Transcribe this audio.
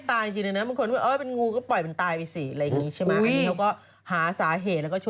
แสดงอาการคือไม่กินข้าวไม่กินอาหารไม่กินข้าว